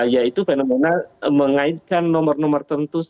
yaitu fenomena mengaitkan nomor nomor